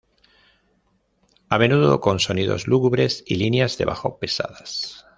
A menudo con sonidos lúgubres y líneas de bajo pesadas.